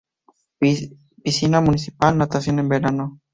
Piscina Municipal, natación en verano.